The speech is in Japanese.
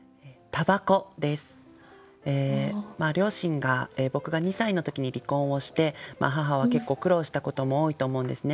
両親が僕が２歳の時に離婚をして母は結構苦労をしたことも多いと思うんですね。